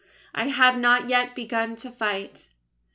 I have not yet begun to fight!